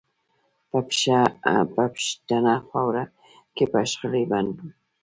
په پښتنه خاوره کې به شخړې بندوو